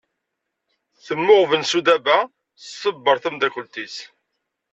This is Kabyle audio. Temmuɣben Sudaba, tṣebber tamdakelt-is.